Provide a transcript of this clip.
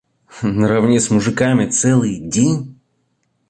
Наравне с мужиками целый день?